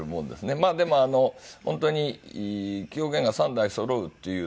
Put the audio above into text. まあでも本当に狂言が３代そろうっていうの。